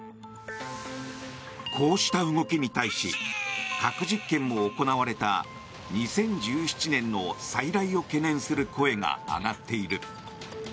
こうした動きに対し核実験も行われた２０１７年の再来を懸念する声が上がっている。